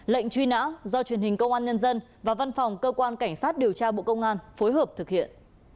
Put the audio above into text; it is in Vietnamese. lệnh truy nã do truyền hình công an nhân dân và văn phòng cơ quan cảnh sát điều tra bộ công an phối hợp thực hiện